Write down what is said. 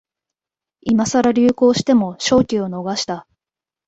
今さら流行しても商機を逃した